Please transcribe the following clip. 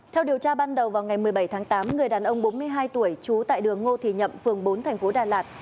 theo điều tra ban đầu vào ngày một mươi bảy tám người đàn ông bốn mươi hai tuổi trú tại đường ngô thì nhậm phường bốn tp đà lạt